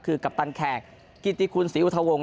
คือกัปตันแขกกิติคุณศรีอุทวงศ